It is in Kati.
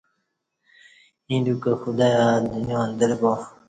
ایں دیوکں خدایا دنیااندرہ با